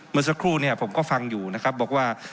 เมื่อสักครู่เนี่ยผมก็ฟังอยู่นะครับบอกว่า